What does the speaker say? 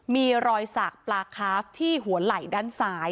มีรอยสักปลาคาฟที่หัวไหล่ด้านซ้าย